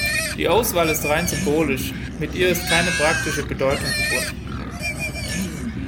Die Auswahl ist rein symbolisch, mit ihr ist keine praktische Bedeutung verbunden.